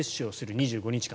２５日間。